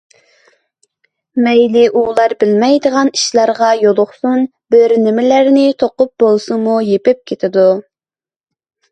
مەيلى ئۇلار بىلمەيدىغان ئىشلارغا يولۇقسۇن، بىر نېمىلەرنى توقۇپ بولسىمۇ يېپىپ كېتىدۇ.